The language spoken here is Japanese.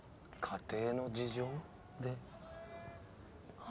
家庭の事情？